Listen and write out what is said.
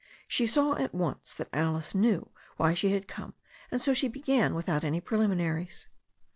She saw at once that Alice knew why she had come, and so she began without any preliminaries.